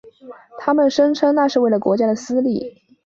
他们声称当那是为了国家的私利。